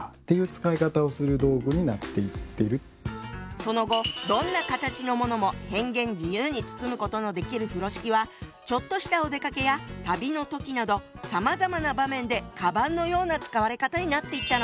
その後どんな形のものも変幻自由に包むことのできる風呂敷はちょっとしたお出かけや旅の時などさまざまな場面でかばんのような使われ方になっていったの。